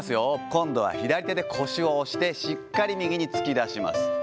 今度は左手で腰を押して、しっかり右に突き出します。